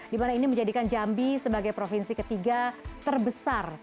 dimana ini menjadikan jambi sebagai provinsi ketiga terbesar